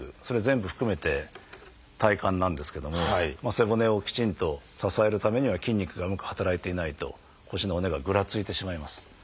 それを全部含めて体幹なんですけども背骨をきちんと支えるためには筋肉がうまく働いていないと腰の骨がぐらついてしまいます。